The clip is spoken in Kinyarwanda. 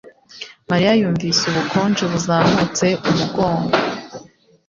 mariya yumvise ubukonje buzamutse umugongo